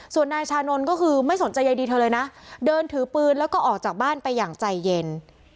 ส่วนนายชานนท์ก็คือไม่สนใจใยดีเธอเลยนะเดินถือปืนแล้วก็ออกจากบ้านไปอย่างใจเย็น